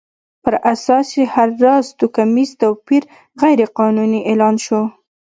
پر اساس یې هر راز توکمیز توپیر غیر قانوني اعلان شو.